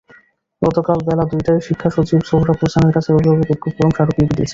গতকাল বেলা দুইটায় শিক্ষাসচিব সোহরাব হোসেনের কাছে অভিভাবক ঐক্য ফোরাম স্মারকলিপি দিয়েছে।